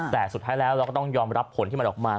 แต่สุดท้ายแล้วเราก็ต้องยอมรับผลที่มันออกมา